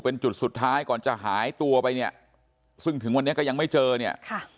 เป็นจุดสุดท้ายก่อนจะหายตัวไปเนี่ยซึ่งถึงวันนี้ก็ยังไม่เจอเนี่ยค่ะ